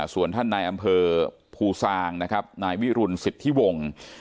ส่วนท่านนายอำเภอภูซางนะครับนายวิรุณสิทธิวงศ์